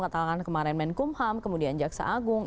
katakan kemarin menkumham kemudian jaksa agung